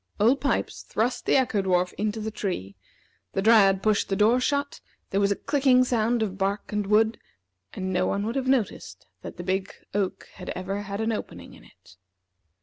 Old Pipes thrust the Echo dwarf into the tree; the Dryad pushed the door shut; there was a clicking sound of bark and wood, and no one would have noticed that the big oak had ever had an opening in it.